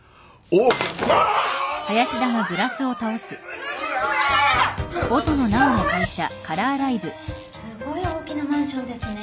へえすごい大きなマンションですね。